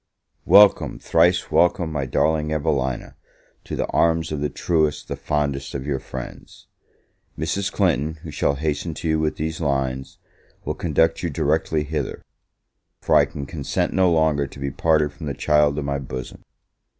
WELCOME, thrice welcome, my darling Evelina, to the arms of the truest, the fondest of your friends! Mrs. Clinton, who shall hasten to you with these lines, will conduct you directly hither; for I can consent no longer to be parted from the child of my bosom!